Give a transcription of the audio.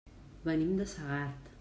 Venim de Segart.